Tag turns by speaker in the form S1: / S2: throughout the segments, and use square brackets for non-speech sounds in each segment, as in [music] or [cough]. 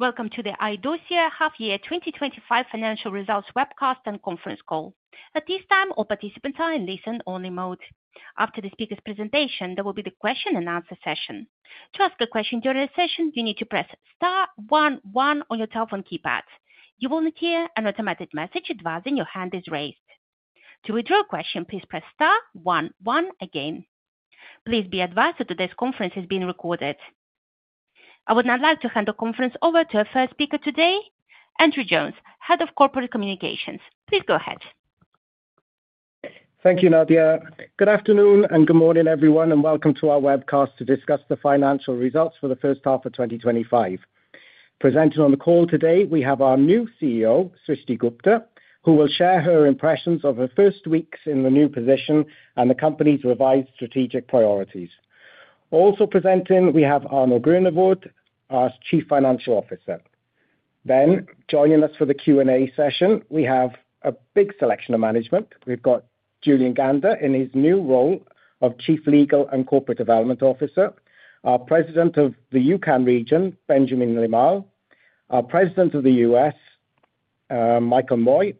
S1: Welcome to the Idorsia half year 2025 financial results webcast and conference call. At this time, all participants are in listen only mode. After the speaker's presentation, there will be the question and answer session. To ask a question during the session, you need to press one one on your telephone keypad. You will not hear an automatic message advising your hand is raised. To withdraw a question, please press star one one again. Please be advised that today's conference is being recorded. I would now like to hand the conference over to our first speaker today, Andrew Jones, Head of Corporate Communications. Please go ahead.
S2: Thank you, Nadia. Good afternoon and good morning everyone and welcome to our webcast to discuss the financial results for the first half of 2025. Presenting on the call today, we have our new CEO, Srishti Gupta, who will share her impressions of her first weeks in the new position and the company's revised strategic priorities. Also presenting, we have Arno Groenewoud, our Chief Financial Officer. Joining us for the Q and A session, we have a big selection of management. We've got Julien Gander in his new role of Chief Legal and Corporate Development Officer, our President of the Europe region, Benjamin Limal, our President of the U.S., Michael Moye,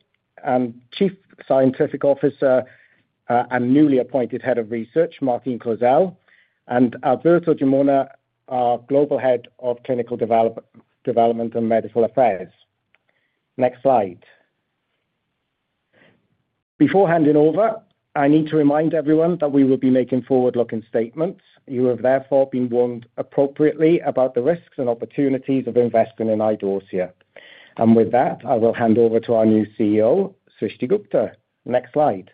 S2: and Chief Scientific Officer and newly appointed Head of Research, Martine Clozel, and Alberto Gimona, our Global Head of Clinical Development and Medical Affairs. Next slide. Before handing over, I need to remind everyone that we will be making forward-looking statements. You have therefore been warned appropriately about the risks and opportunities of investment in Idorsia. With that, I will hand over to our new CEO, Srishti Gupta. Next slide.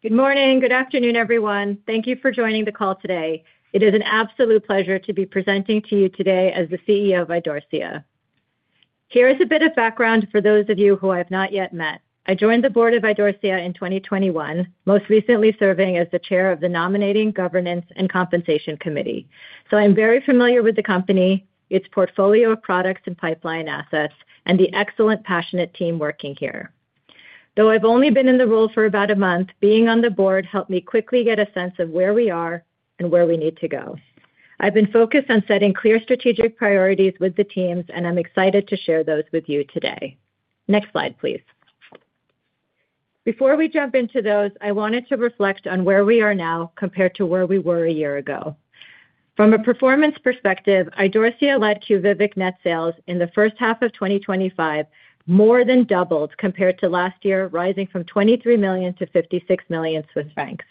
S3: Good morning. Good afternoon everyone. Thank you for joining the call today. It is an absolute pleasure to be presenting to you today as the CEO of Idorsia. Here is a bit of background for those of you who I have not yet met. I joined the board of Idorsia in 2021, most recently serving as the chair of the nominating, governance and compensation committee. I'm very familiar with the company, its portfolio of products and pipeline assets, and the excellent, passionate team working here. Though I've only been in the role for about a month, being on the board helped me quickly get a sense of where we are and where we need to go. I've been focused on setting clear strategic priorities with the teams and I'm excited to share those with you today. Next slide, please. Before we jump into those, I wanted to reflect on where we are now compared to where we were a year ago from a performance perspective. Idorsia-led QUVIVIQ net sales in the first half of 2025 more than doubled compared to last year, rising from 23 million to 56 million Swiss francs.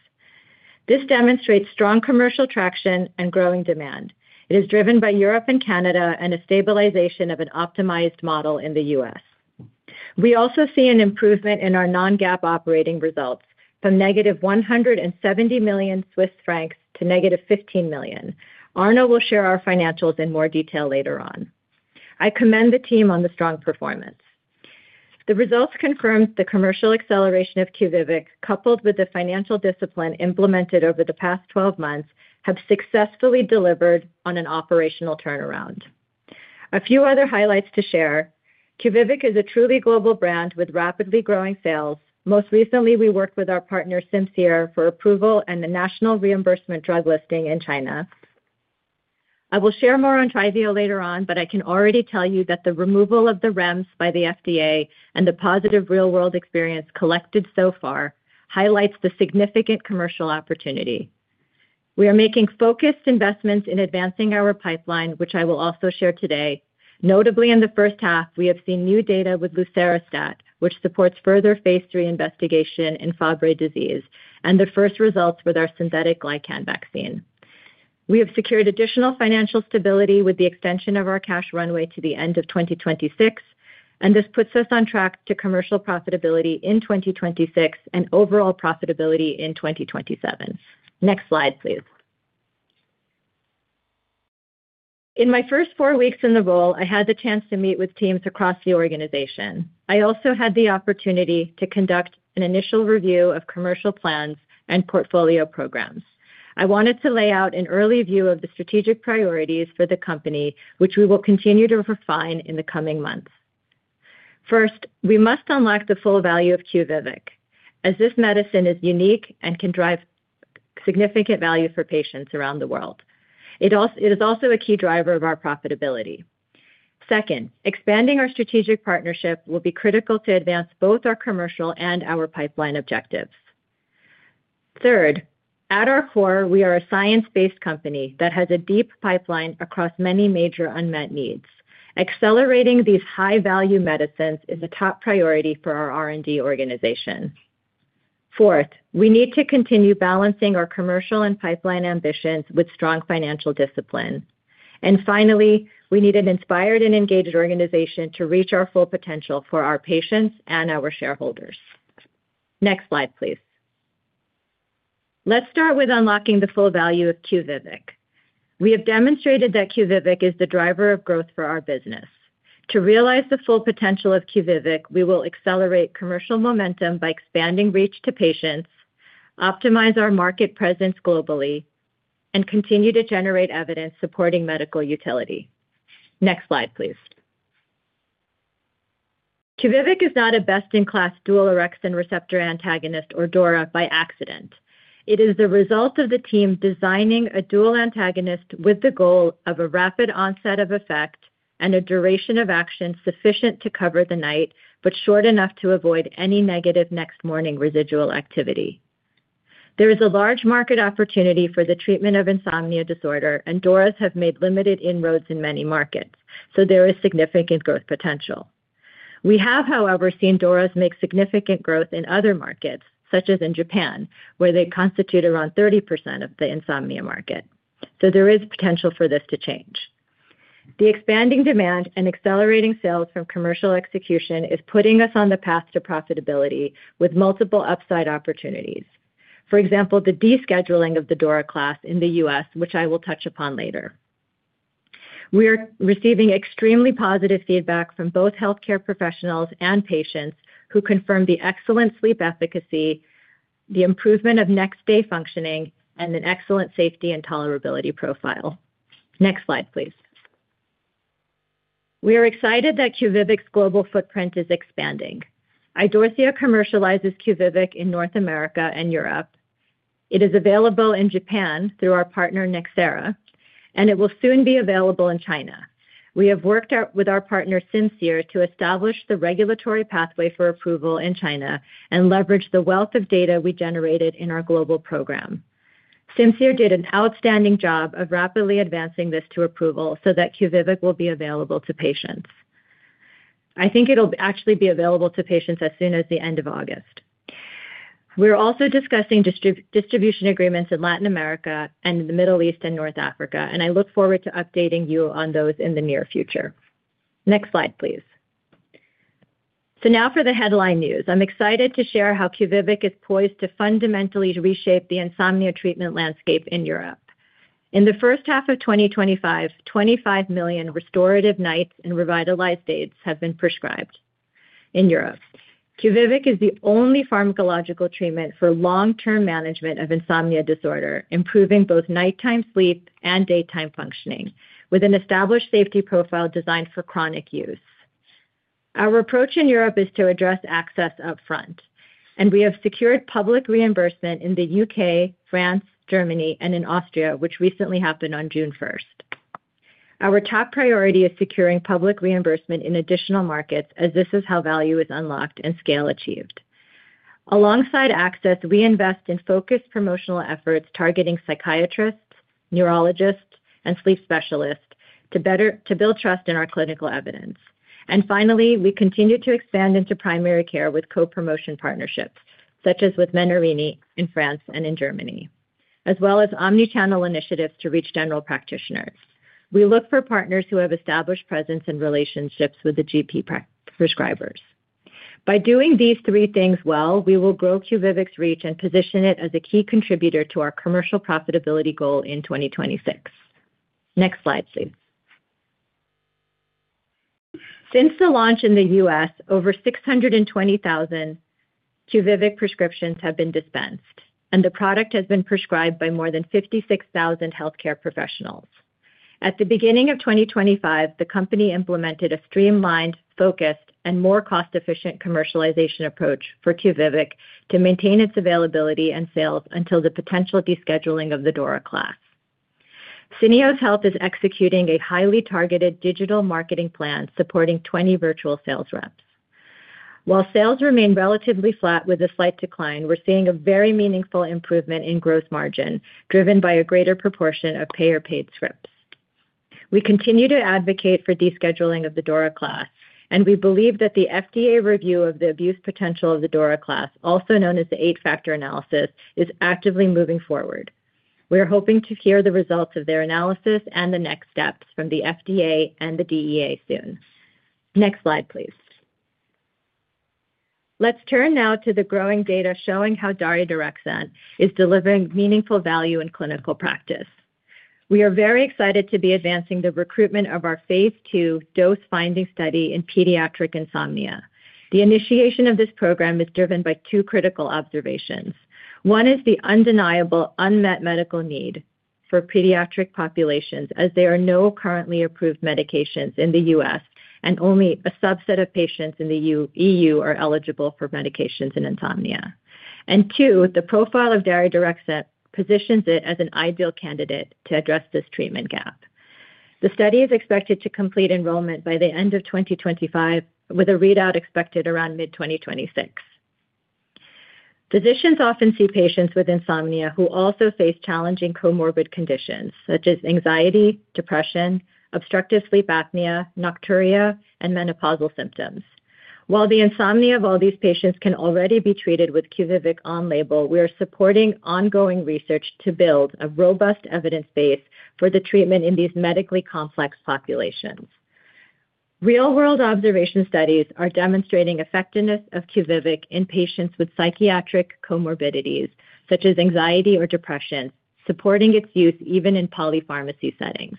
S3: This demonstrates strong commercial traction and growing demand. It is driven by Europe and Canada and a stabilization of an optimized model in the U.S. We also see an improvement in our non-GAAP operating results from negative 170 million Swiss francs to negative 15 million. Arno will share our financials in more detail later on. I commend the team on the strong performance. The results confirm the commercial acceleration of QUVIVIQ coupled with the financial discipline implemented over the past 12 months have successfully delivered on an operational turnaround. A few other highlights to share: QUVIVIQ is a truly global brand with rapidly growing sales. Most recently we worked with our partner Simcere for approval and the national reimbursement drug listing in China. I will share more on TRYVIO later on, but I can already tell you that the removal of the REMS requirement by the FDA and the positive real-world experience collected so far highlights the significant commercial opportunity. We are making focused investments in advancing our pipeline which I will also share today. Notably, in the first half we have seen new data with Lucerastat which supports further phase III investigation in Fabry disease and the first results with our synthetic glycan vaccine. We have secured additional financial stability with the extension of our cash runway to the end of 2026, and this puts us on track to commercial profitability in 2026 and overall profitability in 2027. Next slide please. In my first four weeks in the role, I had the chance to meet with teams across the organization. I also had the opportunity to conduct an initial review of commercial plans and portfolio programs. I wanted to lay out an early view of the strategic priorities for the company, which we will continue to refine in the coming months. First, we must unlock the full value of QUVIVIQ, as this medicine is unique and can drive significant value for patients around the world. It is also a key driver of our profitability. Second, expanding our strategic partnership will be critical to advance both our commercial and our pipeline objectives. Third, at our core, we are a science-based company that has a deep pipeline across many major unmet needs. Accelerating these high-value medicines is a top priority for our R&D organization. Fourth, we need to continue balancing our commercial and pipeline ambitions with strong financial discipline. Finally, we need an inspired and engaged organization to reach our full potential for our patients and our shareholders. Next slide please. Let's start with unlocking the full value of QUVIVIQ. We have demonstrated that QUVIVIQ is the driver of growth for our business. To realize the full potential of QUVIVIQ, we will accelerate commercial momentum by expanding reach to patients, optimize our market presence globally, and continue to generate evidence supporting medical utility. Next slide please. QUVIVIQ is not a best-in-class dual orexin receptor antagonist or DORA by accident. It is the result of the team designing a dual antagonist with the goal of a rapid onset of effect and a duration of action sufficient to cover the night but short enough to avoid any negative next morning residual activity. There is a large market opportunity for the treatment of insomnia disorder, and DORAs have made limited inroads in many markets, so there is significant growth potential. We have, however, seen DORAs make significant growth in other markets, such as in Japan where they constitute around 30% of the insomnia market, so there is potential for this to change. The expanding demand and accelerating sales from commercial execution is putting us on the path to profitability with multiple upside opportunities. For example, the descheduling of the DORA class in the U.S., which I will touch upon later. We are receiving extremely positive feedback from both healthcare professionals and patients who confirmed the excellent sleep efficacy, the improvement of next day functioning, and an excellent safety and tolerability profile. Next slide please. We are excited that QUVIVIQ's global footprint is expanding. Idorsia commercializes QUVIVIQ in North America and Europe. It is available in Japan through our partner, and it will soon be available in China. We have worked with our partner Simcere to establish the regulatory pathway for approval in China and leverage the wealth of data we generated in our global program. Simcere did an outstanding job of rapidly advancing this to approval so that QUVIVIQ will be available to patients. I think it'll actually be available to patients as soon as the end of August. We're also discussing distribution agreements in Latin America and the Middle East and North Africa, and I look forward to updating you on those in the near future. Next slide please. Now for the headline news. I'm excited to share how QUVIVIQ is poised to fundamentally reshape the insomnia treatment landscape in Europe in the first half of 2025. 25 million restorative nights and revitalized aids have been prescribed in Europe. QUVIVIQ is the only pharmacological treatment for long-term management of insomnia disorder, improving both nighttime sleep and daytime functioning with an established safety profile designed for chronic use. Our approach in Europe is to address access up front, and we have secured public reimbursement in the U.K., France, Germany, and in Austria, which recently happened on June 1st. Our top priority is securing public reimbursement in additional markets, as this is how value is unlocked and scale achieved. Alongside access, we invest in focused promotional efforts targeting psychiatrists, neurologists, and sleep specialists to build trust in our clinical evidence. Finally, we continue to expand into primary care with co-promotion partnerships such as with Menarini in France and in Germany, as well as omnichannel initiatives. To reach general practitioners, we look for partners who have established presence and relationships with the GP prescribers. By doing these three things well, we will grow QUVIVIQ's reach and position it as a key contributor to our commercial profitability goal in 2026. Next slide please. Since the launch in the U.S. over 620,000 QUVIVIQ prescriptions have been dispensed and the product has been prescribed by more than 56,000 healthcare professionals. At the beginning of 2025, the company implemented a streamlined, focused, and more cost-efficient commercialization approach for QUVIVIQ to maintain its availability and sales until the potential descheduling of the DORA class. Syneos Health is executing a highly targeted digital marketing plan supporting 20 virtual sales reps. While sales remain relatively flat with a slight decline, we're seeing a very meaningful improvement in gross margin driven by a greater proportion of payer-paid scripts. We continue to advocate for descheduling of the DORA class and we believe that the FDA review of the abuse potential of the DORA class, also known as the eight-factor analysis, is actively moving forward. We are hoping to hear the results of their analysis and the next steps from the FDA and the DEA soon. Next slide please. Let's turn now to the growing data showing how QUVIVIQ is delivering meaningful value in clinical practice. We are very excited to be advancing the recruitment of our phase II dose-finding study in pediatric insomnia. The initiation of this program is driven by two critical observations. One is the undeniable unmet medical need for pediatric populations as there are no currently approved medications in the U.S. and only a subset of patients in the EU are eligible for medications in insomnia, and two, the profile of QUVIVIQ positions it as an ideal candidate to address this treatment gap. The study is expected to complete enrollment by the end of 2025 with a readout expected around mid-2026. Physicians often see patients with insomnia who also face challenging comorbid conditions such as anxiety, trauma, depression, obstructive sleep apnea, nocturia, and menopausal symptoms. While the insomnia of all these patients can already be treated with QUVIVIQ on label, we are supporting ongoing research to build a robust evidence base for the treatment in these medically complex populations. Real-world observation studies are demonstrating effectiveness of QUVIVIQ in patients with psychiatric comorbidities such as anxiety or depression, supporting its use even in polypharmacy settings.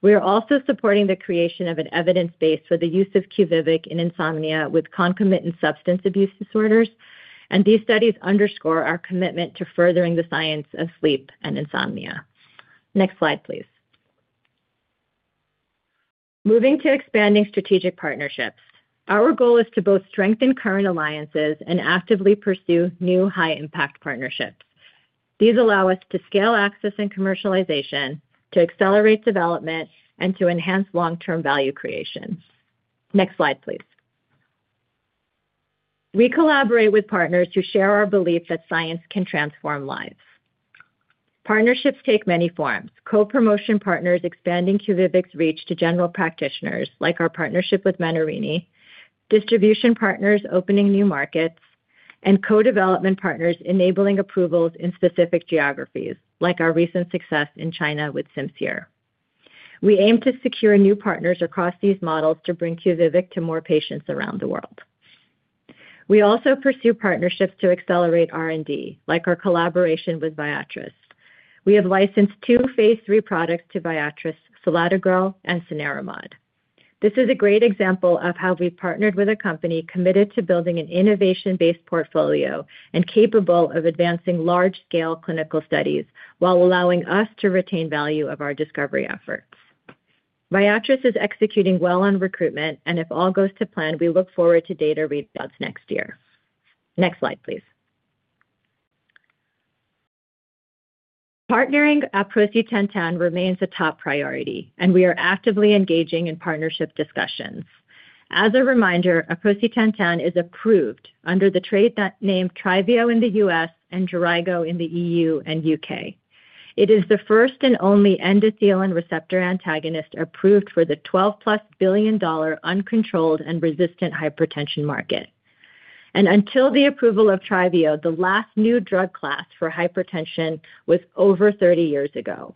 S3: We are also supporting the creation of an evidence base for the use of QUVIVIQ in insomnia with concomitant substance abuse disorders, and these studies underscore our commitment to furthering the science of sleep and insomnia. Next slide please. Moving to Expanding Strategic Partnerships, our goal is to both strengthen current alliances and actively pursue new high impact partnerships. These allow us to scale, access, and commercialization to accelerate development and to enhance long term value creation. Next slide please. We collaborate with partners who share our belief that science can transform lives. Partnerships take many forms. Co-promotion partners expanding QUVIVIQ's reach to general practitioners, like our partnership with Menarini. Distribution partners opening new markets, and co-development partners enabling approvals in specific geographies, like our recent success in China with Simcere. Here we aim to secure new partners across these models to bring QUVIVIQ to more patients around the world. We also pursue partnerships to accelerate R&D. Like our collaboration with Viatris, we have licensed two phase III products to Viatris, ciladexor and cenerimod. This is a great example of how we partnered with a company committed to building an innovation-based portfolio and capable of advancing large scale clinical studies while allowing us to retain value of our discovery efforts. Viatris is executing well on recruitment, and if all goes to plan, we look forward to data readouts next year. Next slide please. Partnering at aprocitentan remains a top priority, and we are actively engaging in partnership discussions. As a reminder, aprocitentan is approved under the trade name TRYVIO in the U.S. and Durigo in the EU and U.K. It is the first and only endothelin receptor antagonist approved for the $12 billion plus uncontrolled and resistant hypertension market, and until the approval of TRYVIO, the last new drug class for hypertension was over 30 years ago.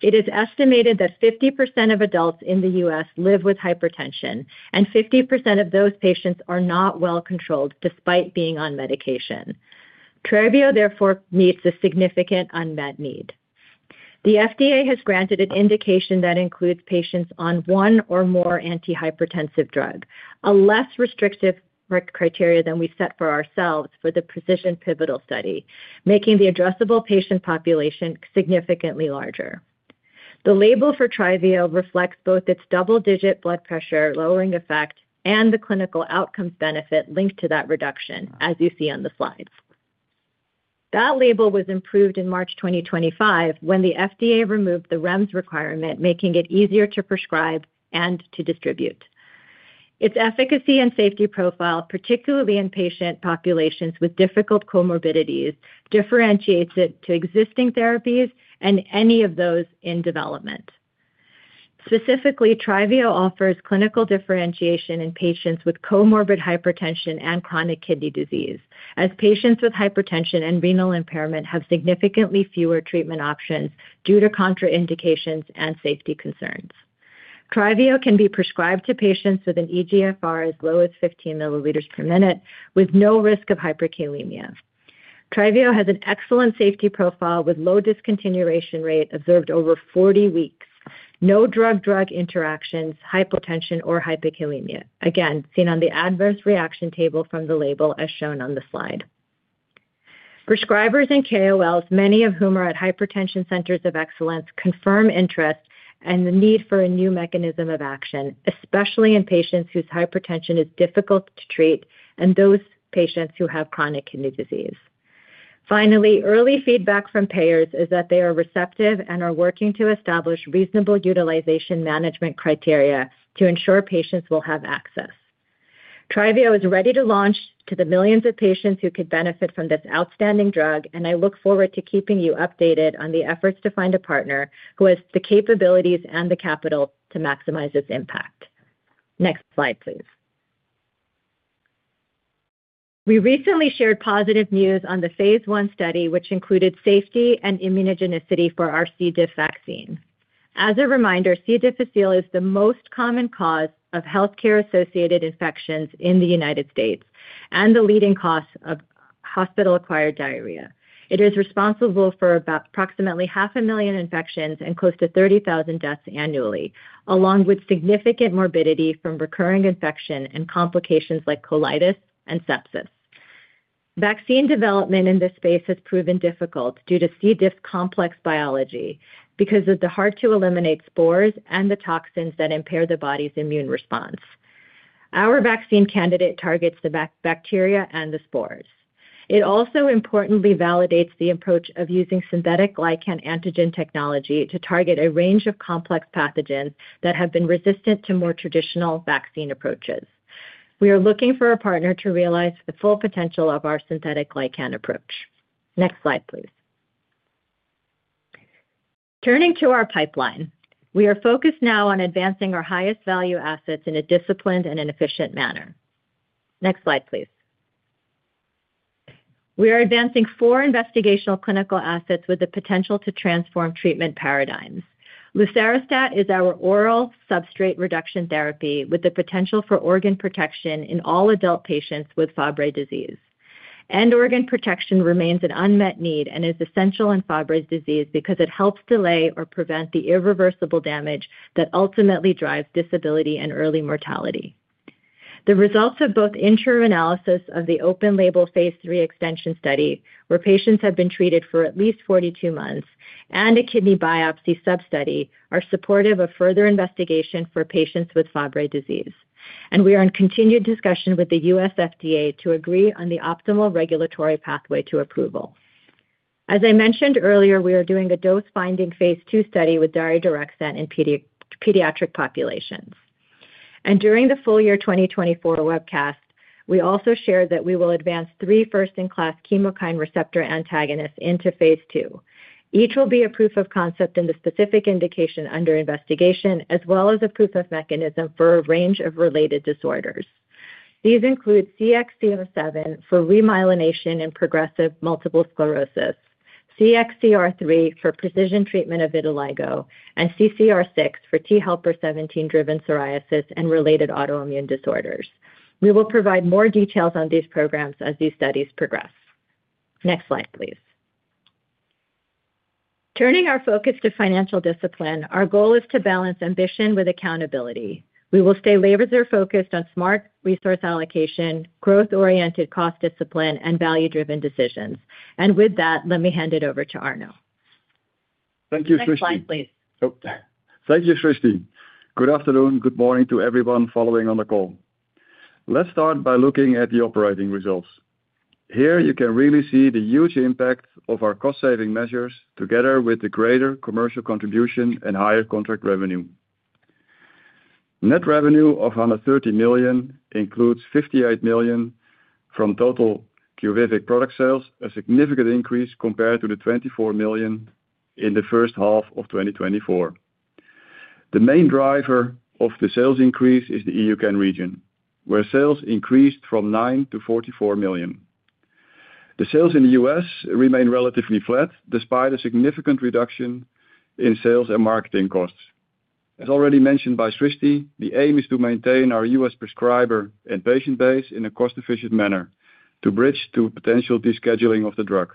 S3: It is estimated that 50% of adults in the U.S. live with hypertension, and 50% of those patients are not well controlled despite being on medication. TRYVIO therefore meets a significant unmet need. The FDA has granted an indication that includes patients on one or more antihypertensive drug, a less restrictive criteria than we set for ourselves for the PRECISION pivotal study, making the addressable patient population significantly larger. The label for TRYVIO reflects both its double-digit blood pressure lowering effect and the clinical outcomes benefit linked to that reduction. As you see on the slides, that label was improved in March 2025 when the FDA removed the REMS requirement, making it easier to prescribe and to distribute. Its efficacy and safety profile, particularly in patient populations with difficult comorbidities, differentiates it from existing therapies and any of those in development. Specifically, TRYVIO offers clinical differentiation in patients with comorbid hypertension and chronic kidney disease as patients with hypertension and renal impairment have significantly fewer treatment options due to contraindications and safety concerns. TRYVIO can be prescribed to patients with an eGFR as low as 15 mL per minute with no risk of hyperkalemia. TRYVIO has an excellent safety profile with low discontinuation rate observed over 40 weeks. No drug-drug interactions, hypotension, or hypokalemia again seen on the adverse reaction table from the label as shown on the slide. Prescribers and KOLs, many of whom are at hypertension centers of excellence, confirm interest and the need for a new mechanism of action, especially in patients whose hypertension is difficult to treat and those patients who have chronic kidney disease. Finally, early feedback from payers is that they are receptive and are working to establish reasonable utilization management criteria to ensure patients will have access. TRYVIO is ready to launch to the millions of patients who could benefit from this outstanding drug and I look forward to keeping you updated on the efforts to find a partner who has the capabilities and the capital to maximize its impact. Next slide please. We recently shared positive news on the phase I study which included safety and immunogenicity for RC defects. As a reminder, C. difficile is the most common cause of healthcare-associated infections in the U.S. and the leading cause of hospital-acquired diarrhea. It is responsible for approximately half a million infections and close to 30,000 deaths annually along with significant morbidity from recurring infection and complications like colitis and sepsis. Vaccine development in this space has proven difficult due to C. difficile's complex biology because of the hard to eliminate spores and the toxins that impair the body's immune response. Our vaccine candidate targets the bacteria and the spores. It also importantly validates the approach of using synthetic glycan antigen technology to target a range of complex pathogens that have been resistant to more traditional vaccine approaches. We are looking for a partner to realize the full potential of our synthetic glycan approach. Next slide please. Turning to our pipeline, we are focused now on advancing our highest value assets in a disciplined and an efficient manner. Next slide please. We are advancing four investigational clinical assets with the potential to transform treatment paradigms. Lucerastat is our oral substrate reduction therapy with the potential for organ protection in all adult patients with Fabry disease. End organ protection remains an unmet need and is essential in Fabry disease because it helps delay or prevent the irreversible damage that ultimately drives disability and early mortality. The results of both interim analysis of the open label phase III extension study where patients have been treated for at least 42 months and a kidney biopsy substudy are supportive of further investigation for patients with Fabry disease and we are in continued discussion with the U.S. FDA to agree on the optimal regulatory pathway to approval. As I mentioned earlier, we are doing a dose finding phase II study with daridorexant in pediatric populations and during the full year 2024 webcast. We also shared that we will advance three first in class chemokine receptor antagonists into phase II. Each will be a proof of concept in the specific indication under investigation as well as a proof of mechanism for a range of related disorders. These include CXCR7 for remyelination and progressive multiple sclerosis, CXCR3 for precision treatment of vitiligo and CCR6 for T helper 17 driven psoriasis and related autoimmune disorders. We will provide more details on these programs as these studies progress. Next slide please. Turning our focus to financial discipline, our goal is to balance ambition with accountability. We will stay laser focused on smart resource allocation, growth oriented cost discipline and value driven decisions. With that let me hand it over to Arno.
S4: Thank you, thank you Srishti. Good afternoon. Good morning to everyone following on the call. Let's start by looking at the operating results. Here you can really see the huge impact of our cost saving measures together with the greater commercial contribution and higher contract revenue. Net revenue of 130 million includes 58 million from total QUVIVIQ product sales, a significant increase compared to the 24 million in the first half of 2024. The main driver of the sales increase is the EUCAN region where sales increased from 9 million to 44 million. The sales in the U.S. remain relatively flat despite a significant reduction in sales and marketing costs. As already mentioned by Srishti, the aim is to maintain our U.S. prescriber and patient base in a cost efficient manner to bridge to potential descheduling of the drug.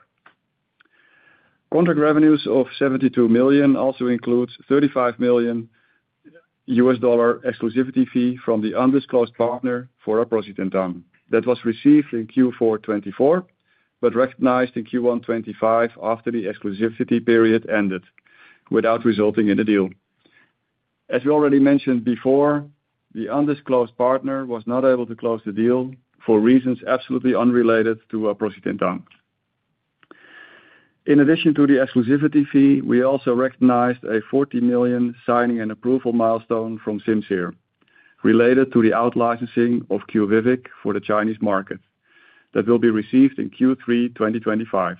S4: Contract revenues of 72 million also include a $35 million exclusivity fee from the undisclosed partner for aprocitentan that was received in Q4 2024 but recognized in Q1 2025 after the exclusivity period ended without resulting in the deal. As we already mentioned before, the undisclosed partner was not able to close the deal for reasons absolutely unrelated to aprocitentan. In addition to the exclusivity fee, we also recognized a $40 million signing and approval milestone from Simcere related to the out-licensing of QUVIVIQ for the Chinese market that will be received in Q3 2025.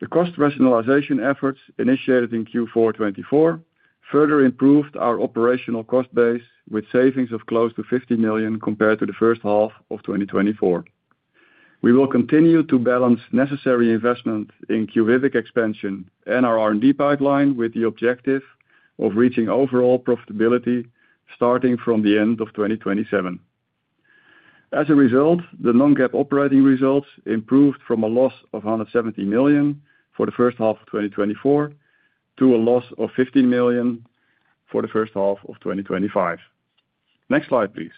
S4: The cost rationalization efforts initiated in Q4 2024 further improved our operational cost base with savings of close to 50 million compared to the first half of 2024. We will continue to balance necessary investment in QUVIVIQ expansion and our R&D pipeline with the objective of reaching overall profitability starting from the end of 2027. As a result, the non-GAAP operating results improved from a loss of 170 million for the first half of 2024 to a loss of 15 million for the first half of 2025. Next slide please.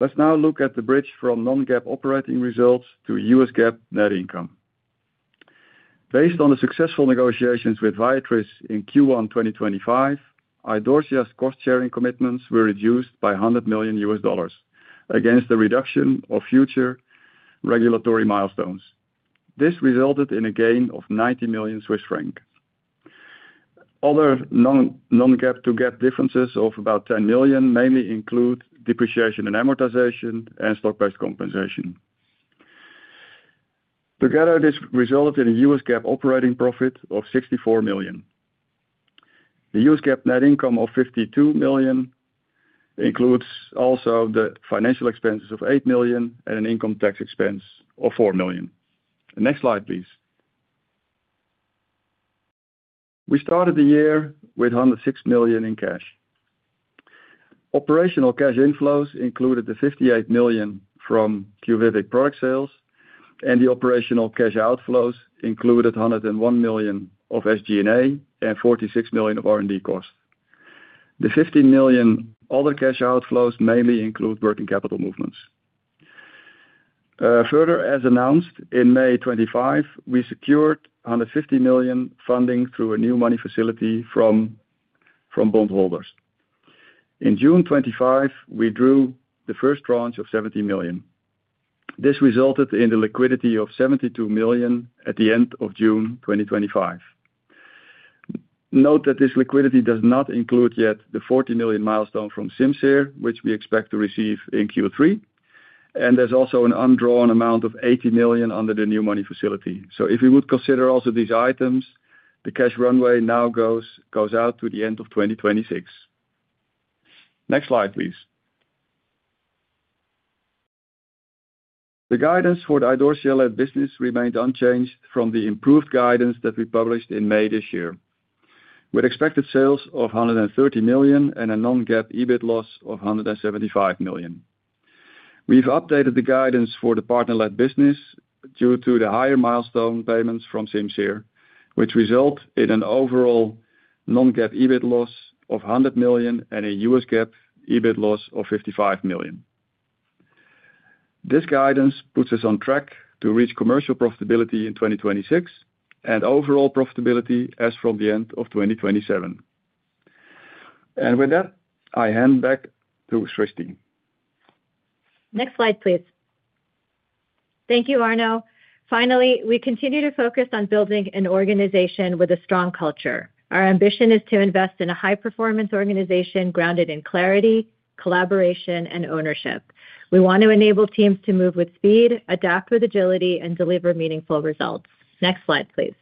S4: Let's now look at the bridge from non-GAAP operating results to U.S. GAAP net income. Based on the successful negotiations with Viatris in Q1 2025, Idorsia's cost sharing commitments were reduced by $100 million against the reduction of future regulatory milestones. This resulted in a gain of 90 million Swiss franc. Other non-GAAP to GAAP differences of about 10 million mainly include depreciation and amortization and stock based compensation. Together this resulted in a U.S. GAAP operating profit of 64 million. The U.S. GAAP net income of 52 million includes also the financial expenses of 8 million and an income tax expense of 4 million. Next slide please. We started the year with 106 million in cash. Operational cash inflows included the 58 million from QUVIVIQ product sales and the operational cash outflows included 101 million of SG&A and 46 million of R&D costs. The 15 million other cash outflows mainly include working capital movements. Further, as announced in May 2025, we secured 150 million funding through a new money facility from bondholders. In June 25 we drew the first tranche of 70 million. This resulted in the liquidity of 72 million at the end of June 2025. Note that this liquidity does not include yet the 40 million milestone from Simcere which we expect to receive in Q3 and there's also an undrawn amount of 80 million under the new money facility. If we would consider also these items, the cash runway now goes out to the end of 2026. Next slide please. The guidance for the Idorsia-led business remained unchanged from the improved guidance that we published in May this year with expected sales of 130 million and a non-GAAP EBIT loss of 175 million. We've updated the guidance for the partner-led business due to the higher milestone payments from Simcere which result in an overall non-GAAP EBIT loss of 100 million and a U.S. GAAP EBIT loss of 55 million. This guidance puts us on track to reach commercial profitability in 2026 and overall profitability as from the end of 2027. With that I hand back to Srishti.
S3: Next slide please. Thank you, Arno. Finally, we continue to focus on building an organization with a strong culture. Our ambition is to invest in a high performance organization grounded in clarity, collaboration, and ownership. We want to enable teams to move with speed, adapt with agility, and deliver meaningful results. Next slide please.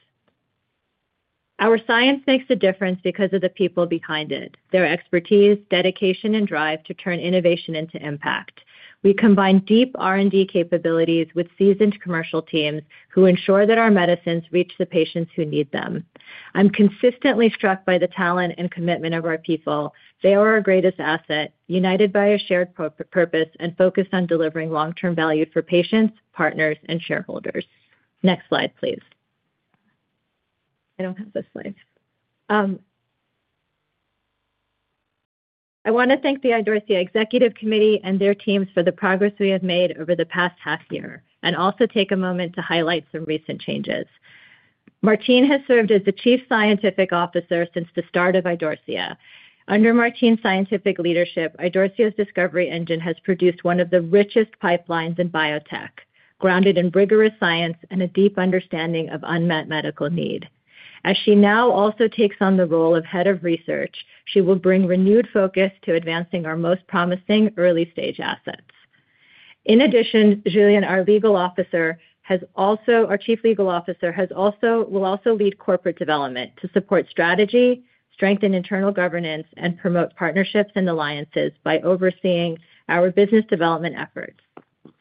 S3: Our science makes a difference because of the people behind it, their expertise, dedication, and drive to turn innovation into impact. We combine deep R&D capabilities with seasoned commercial teams who ensure that our medicines reach the patients who need them. I'm consistently struck by the talent and commitment of our people. They are our greatest asset, united by a shared purpose and focused on delivering long term value for patients, partners, and shareholders. Next slide please. I don't have this slide. I want to thank the Idorsia Executive Committee and their teams for the progress we have made over the past half year and also take a moment to highlight some recent changes. Martine has served as the Chief Scientific Officer since the start of Idorsia. Under Martine's scientific leadership, Idorsia's discovery engine has produced one of the richest pipelines in biotech, grounded in rigorous science and a deep understanding of unmet medical need. As she now also takes on the role of Head of Research, she will bring renewed focus to advancing our most promising early stage assets. In addition, Julien, our Chief Legal Officer, will also lead corporate development to support strategy, strengthen internal governance, and promote partnerships and alliances by overseeing our business development efforts.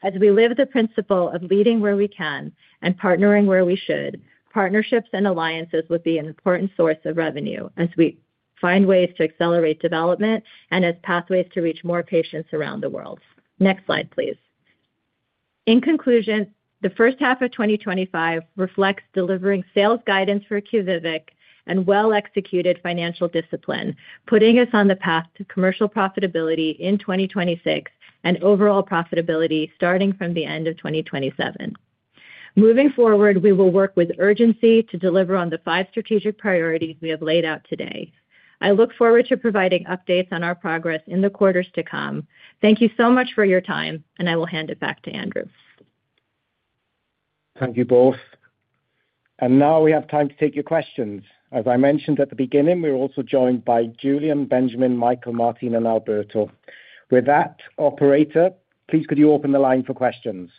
S3: As we live the principle of leading where we can and partnering where we should, partnerships and alliances will be an important source of revenue as we find ways to accelerate development and as pathways to reach more patients around the world. Next slide please. In conclusion, the first half of 2025 reflects delivering sales guidance for QUVIVIQ and well executed financial discipline, putting us on the path to commercial profitability in 2026 and overall profitability starting from the end of 2027. Moving forward, we will work with urgency to deliver on the five strategic priorities we have laid out today. I look forward to providing updates on our progress in the quarters to come. Thank you so much for your time and I will hand it back to Andrew.
S2: Thank you both. We have time to take your questions. As I mentioned at the beginning, we are also joined by Julien, Benjamin, Michael, Martine, and Alberto. With that, operator, please could you open the line for questions?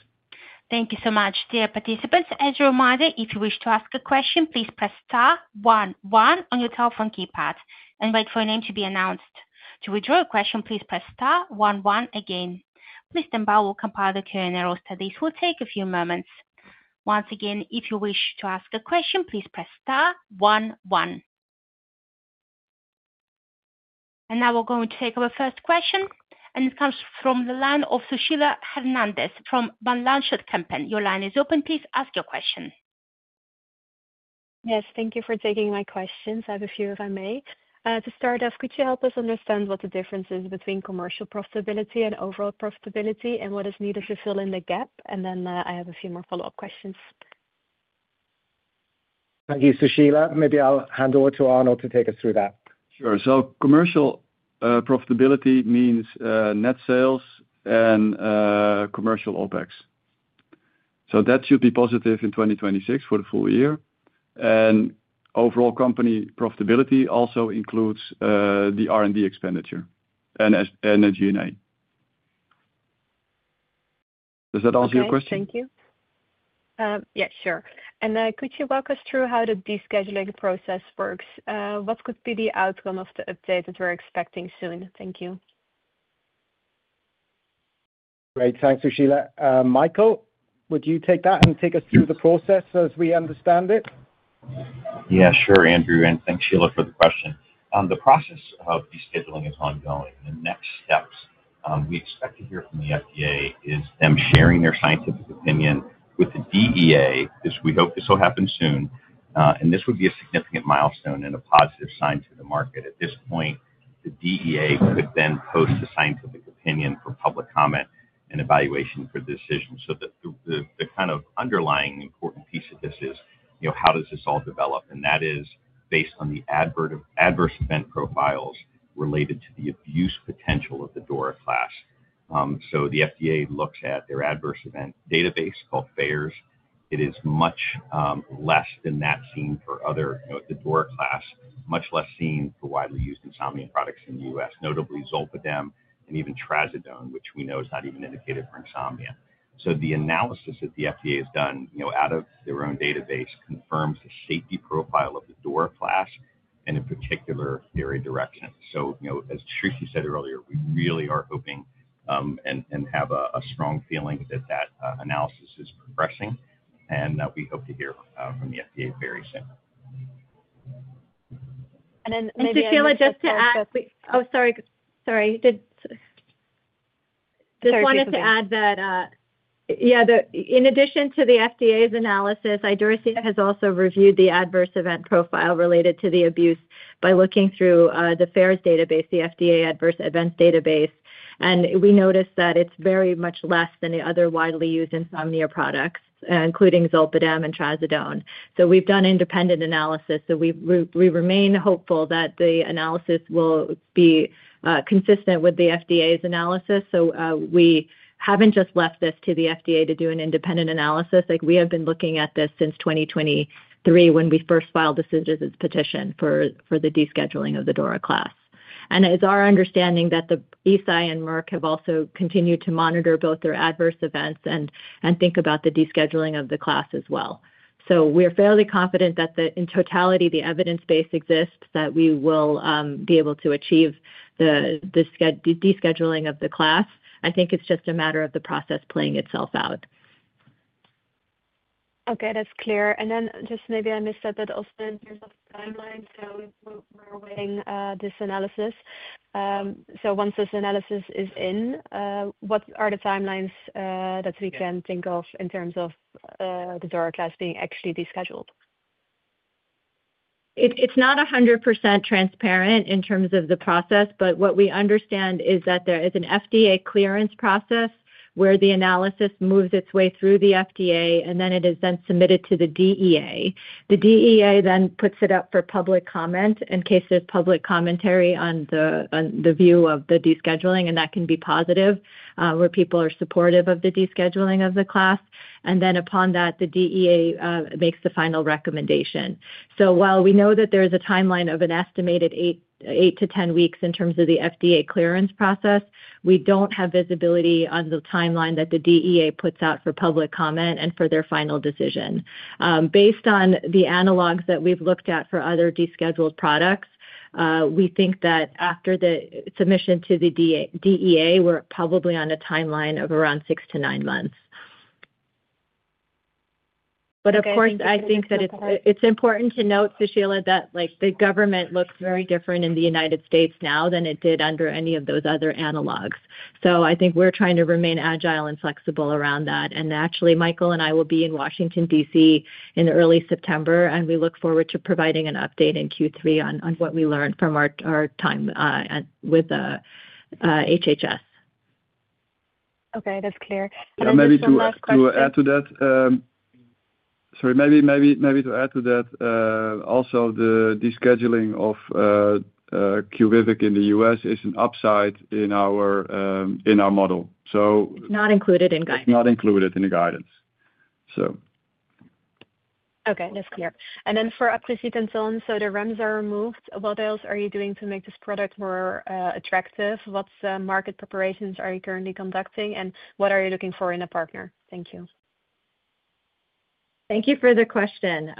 S1: Thank you so much. Dear participants, as a reminder, if you wish to ask a question, please press star one one on your telephone keypad and wait for a name to be announced. To withdraw your question, please press star one one again. Dembau will compile the Q and A roster. This will take a few moments. Once again, if you wish to ask a question, please press star one one. Now we're going to take our first question and it comes from the line of Sushila Hernandez from Van Lanschot Kempen. Your line is open. Please ask your question.
S5: Yes, thank you for taking my questions. I have a few, if I may. To start off, could you help us understand what the difference is between commercial profitability and overall profitability and what is needed to fill in the gap? I have a few more follow up questions.
S2: Thank you, Sushila. Maybe I'll hand over to Arno to take us through that.
S4: Sure. Commercial profitability means net sales and commercial OpEx. That should be positive in 2026 for the full year. Overall company profitability also includes the R&D expenditure and the G&A. Does that answer your question?
S5: Thank you. Could you walk us through how the descheduling process works? What could be the outcome of the update that we're expecting soon? Thank you.
S2: Great. Thanks, Sushila. Michael, would you take that and take us through the process as we understand it?
S6: Yeah, sure, Andrew. Thanks, Sushila, for the question. The process of descheduling is ongoing. The next steps we expect to hear from the FDA is them sharing their scientific opinion with the DEA. We hope this will happen soon, and this would be a significant milestone and a positive sign to the market at this point. The DEA could then post a scientific opinion for public comment and evaluation for decisions. The kind of underlying important piece of this is how does this all develop? That is based on the adverse event profiles related to the abuse potential of the DORA class. The FDA looks at their adverse event database, called FAERS. It is much less than that seen for other DORA class, much less seen for widely used insomnia products in the U.S., notably zolpidem and even trazodone, which we know is not even indicated for insomnia. The analysis that the FDA has done out of their own database confirms the safety profile of the DORA class and in particular, their direction. As Srishti said earlier, we really are hoping and have a strong feeling that that analysis is progressing, and we hope to hear from the FDA very soon.
S3: [crosstalk] Dashiella, just to add. Sorry, just wanted to add that. In addition to the FDA's analysis, Idorsia has also reviewed the adverse event profile related to the abuse by looking through the FAERS database, the FDA adverse event database, and we noticed that it's very much less than the other widely used insomnia products, including zolpidem and trazodone. We've done independent analysis. We remain hopeful that the analysis will be consistent with the FDA's analysis. We haven't just left this to the FDA to do an independent analysis. We have been looking at this since 2023, when we first filed the Citizens petition for the descheduling of the DORA class. It's our understanding that the Eisai and Merck have also continued to monitor both their adverse events and think about the descheduling of the class as well. We're fairly confident that, in totality, the evidence base exists, that we will be able to achieve the descheduling of the class. I think it's just a matter of the process playing itself out.
S5: That's clear. Maybe I missed that, Austin, this analysis. Once this analysis is in, what are the timelines that we can think of in terms of the DORA class being actually descheduled?
S3: It's not 100% transparent in terms of the process, but what we understand is that there is an FDA clearance process where the analysis moves its way through the FDA and then it is submitted to the DEA. The DEA then puts it up for public comment in case there's public commentary on the view of the descheduling. That can be positive where people are supportive of the descheduling of the class, and then upon that, the DEA makes the final recommendation. While we know that there is a timeline of an estimated eight to ten weeks in terms of the FDA clearance process, we don't have visibility on the timeline that the DEA puts out for public comment and for their final decision. Based on the analogs that we've looked at for other descheduled products, we think that after the submission to the DEA, we're probably on a timeline of around six to nine months. Months. Of course, I think that it's important to note, Sushila, that the government looks very different in the U.S. now than it did under any of those other analogs. I think we're trying to remain agile and flexible around that. Naturally, Michael and I will be in Washington, D.C. in early September, and we look forward to providing an update in Q3 on what we learned from our time with HHS.
S5: Okay, that's clear.
S4: Maybe to add to that. Also the descheduling of QUVIVIQ in the U.S. is an upside in our model.
S3: Not included in guidance.
S4: Not included in the guidance.
S5: Okay, that's clear. For aprocitentan, the REMS requirement is removed. What else are you doing to make this product more attractive? What market preparations are you currently conducting and what are you looking for in a partner? Thank you.
S3: Thank you for the question.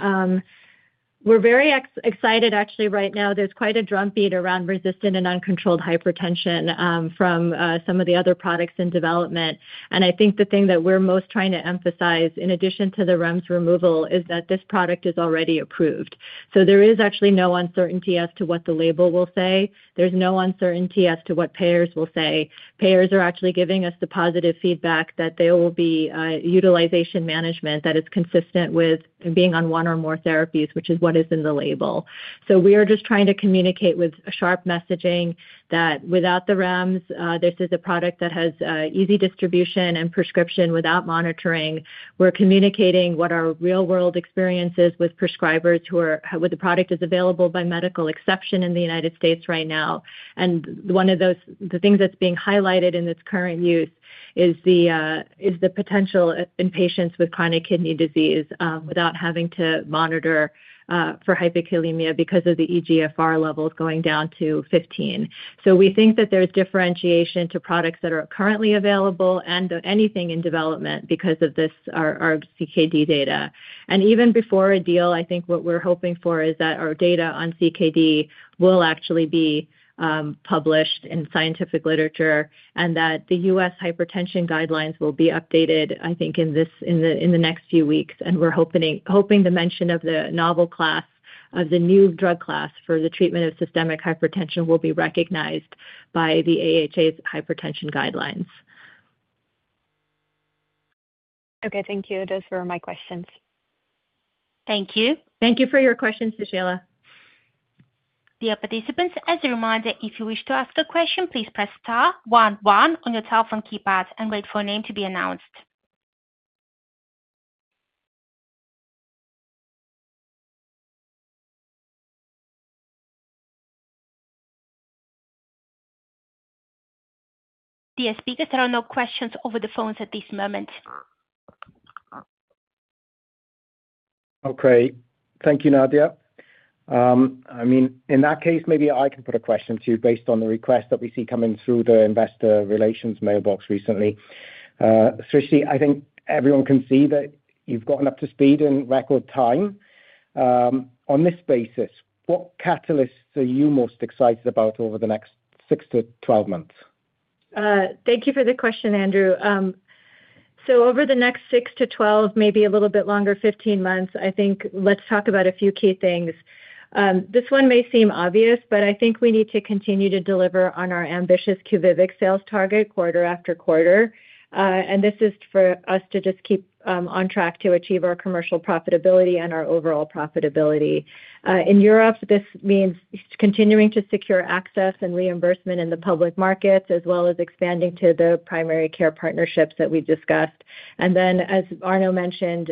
S3: We're very excited actually right now. There's quite a drumbeat around resistant and uncontrolled hypertension from some of the other products in development. I think the thing that we're most trying to emphasize in addition to the REMS removal is that this product is already approved. There is actually no uncertainty as to what the label will say. There's no uncertainty as to what payers will say. Payers are actually giving us the positive feedback that there will be utilization management that is consistent with being on one or more therapies, which is what is in the label. We are just trying to communicate with sharp messaging that without the REMS, this is a product that has easy distribution and prescription without monitoring. We're communicating what our real world experience is with prescribers where the product is available by medical exception in the U.S. right now. One of the things that's being highlighted in this current use is the potential in patients with chronic kidney disease without having to monitor for hyperkalemia because of the eGFR levels going down to 15. We think that there's differentiation to products that are currently available and anything in development because of this, our CKD data, and even before a deal, I think what we're hoping for is that our data on CKD will actually be published in scientific literature and that the U.S. Hypertension guidelines will be updated, I think, in the next few weeks. We're hoping the mention of the novel class, of the new drug class for the treatment of systemic hypertension will be recognized by the AHA's hypertension guidelines.
S5: Okay, thank you. Those were my questions.
S3: Thank you. Thank you for your questions, Sushila.
S1: Dear participants, as a reminder, if you wish to ask a question, please press star one one on your telephone keypad and wait for a name to be announced. Dear speakers, there are no questions over the phones at this moment.
S2: Okay, thank you, Nadia. In that case, maybe I can put a question to you based on the request that we see coming through the investor relations mailbox recently. Srishti, I think everyone can see that you've gotten up to speed in record time on this basis. What catalysts are you most excited about over the next 6 to 12 months?
S3: Thank you for the question, Andrew. Over the next six to 12, maybe a little bit longer, 15 months, I think, let's talk about a few key things. This one may seem obvious, but I think we need to continue to deliver on our ambitious QUVIVIQ sales target quarter-after-quarter. This is for us to just keep on track to achieve our commercial profitability and our overall profitability in Europe. This means continuing to secure access and reimbursement in the public markets as well as expanding to the primary care partnerships that we discussed, and then as Arno mentioned,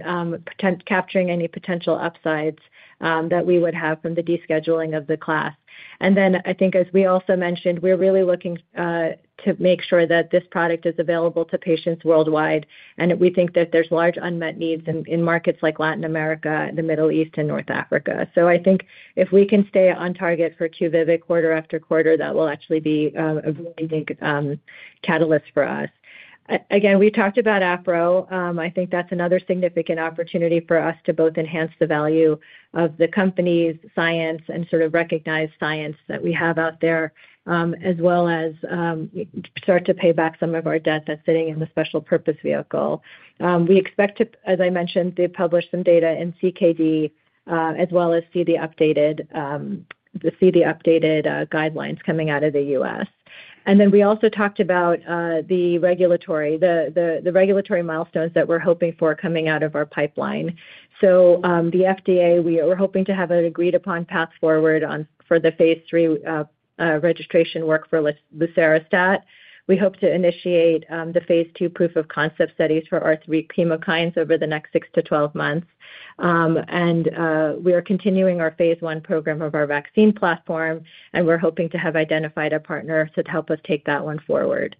S3: capturing any potential upsides that we would have from the descheduling of the class. I think, as we also mentioned, we're really looking to make sure that this product is available to patients worldwide. We think that there's large unmet needs in markets like Latin America, the Middle East, and North Africa. If we can stay on target for QUVIVIQ, quarter-after-quarter will actually be a big catalyst for us. Again, we talked about aprocitentan. I think that's another significant opportunity for us to both enhance the value of the company's science and sort of recognize science that we have out there as well as start to pay back some of our debt that's sitting in the special purpose vehicle. We expect to, as I mentioned, to publish some data in CKD as well as see the updated guidelines coming out of the U.S., and we also talked about the regulatory milestones that we're hoping for coming out of our pipeline. The FDA, we're hoping to have an agreed upon path forward for the phase III registration work for Lucerastat. We hope to initiate the phase II proof of concept studies for CXCR3 chemokine receptor antagonists over the next six to 12 months. We are continuing our phase I program of our vaccine platform, and we're hoping to have identified a partner to help us take that one forward.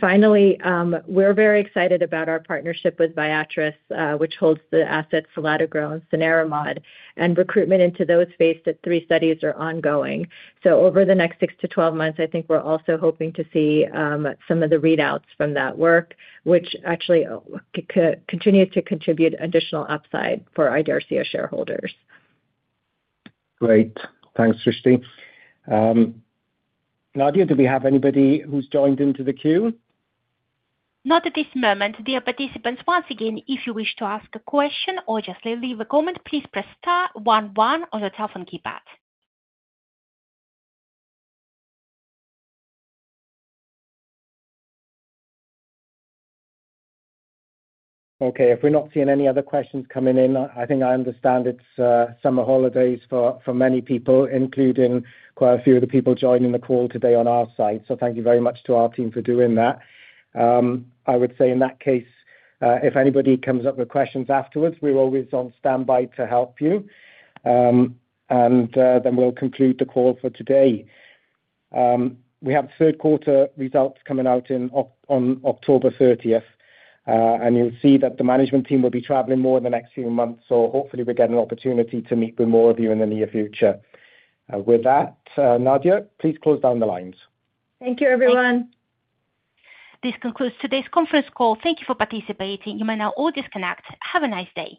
S3: Finally, we're very excited about our partnership with Viatris, which holds the assets selatogrel and cenerimod, and recruitment into those phase III studies are ongoing. Over the next six to 12 months, I think we're also hoping to see some of the readouts from that work, which actually continue to contribute additional upside for Idorsia shareholders.
S2: Great. Thanks, Srishti. Nadia, do we have anybody who's joined into the queue?
S1: Not at this moment. Dear participants, once again, if you wish to ask a question or just leave a comment, please press star one one on the telephone keypad.
S2: Okay, if we're not seeing any other questions coming in, I think I understand it's summer holidays for many people, including quite a few of the people joining the call today on our side. Thank you very much to our. Team for doing that. I would say in that case, if anybody comes up with questions afterwards, we're always on standby to help you. We'll conclude the call for today. We have third quarter results coming out on October 30, and you'll see that the management team will be traveling more in the next few months. Hopefully we get an opportunity to meet with more of you in the near future. With that, Nadia, please close down the lines.
S3: Thank you, everyone.
S1: This concludes today's conference call. Thank you for participating. You may now all disconnect. Have a nice day.